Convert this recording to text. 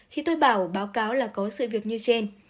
thì tôi bảo báo cáo là có sự việc như trên